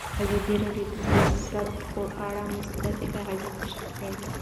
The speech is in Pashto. ازادي راډیو د سیاست په اړه مثبت اغېزې تشریح کړي.